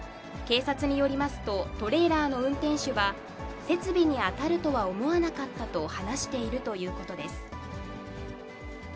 警察によりますと、トレーラーの運転手は、設備に当たるとは思わなかったと話しているということです。